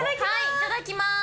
いただきます！